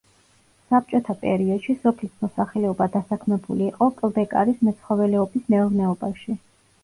საბჭოთა პერიოდში სოფლის მოსახლეობა დასაქმებული იყო კლდეკარის მეცხოველეობის მეურნეობაში.